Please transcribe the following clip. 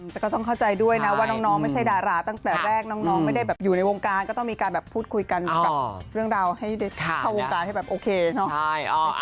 แต่ก็ต้องเข้าใจด้วยนะว่าน้องไม่ใช่ดาราตั้งแต่แรกน้องไม่ได้แบบอยู่ในวงการก็ต้องมีการแบบพูดคุยกันปรับเรื่องราวให้ได้เข้าวงการให้แบบโอเคเนาะ